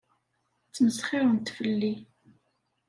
Ttmesxiṛent fell-i.